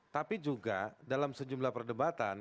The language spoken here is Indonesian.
tapi juga dalam sejumlah perdebatan